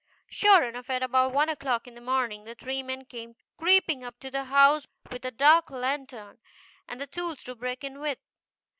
Sure enough, at about one o'clock in the morning the three men came creeping, creeping up to the house with a dark lantern, and the tools to break in with.